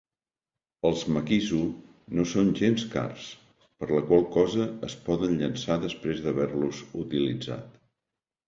Els makisu no són gens cars, per la qual cosa es poden llençar després d'haver-los utilitzat.